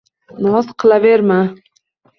Noz qilaverma.